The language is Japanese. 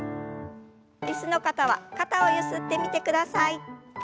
椅子の方は肩をゆすってみてください。